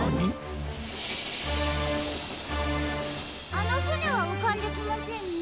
あのふねはうかんできませんね。